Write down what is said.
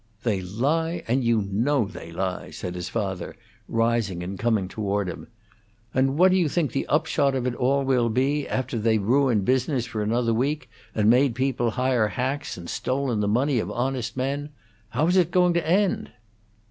"They lie, and you know they lie," said his father, rising and coming toward him. "And what do you think the upshot of it all will be, after they've ruined business for another week, and made people hire hacks, and stolen the money of honest men? How is it going to end?"